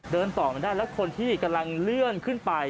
เดินต่อไม่ได้แล้วคนที่กำลังเลื่อนขึ้นไป